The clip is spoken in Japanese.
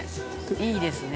いいですね」